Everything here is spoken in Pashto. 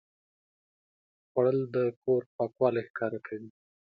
خوړل د کور پاکوالی ښکاره کوي